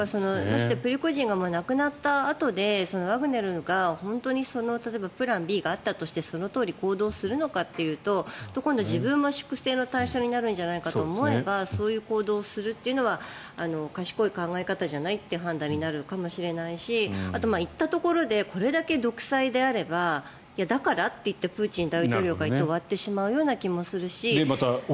プリゴジンが亡くなったあとでワグネルが本当に例えばプランＢがあったとして本当にそのとおり行動するのかというと今度、自分が粛清の対象になるんじゃないかと思えばそういう行動をするというのは賢い考えじゃないという判断になるかもしれないし言ったところでこれだけ独裁であればだから？とプーチン大統領が言って終わってしまうという気もするし。